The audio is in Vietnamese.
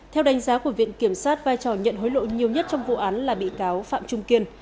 theo đánh giá của viện kiểm sát vai trò nhận hối lộ nhiều nhất trong vụ án là bị cáo phạm trung kiên